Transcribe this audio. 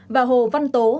và hồ văn tố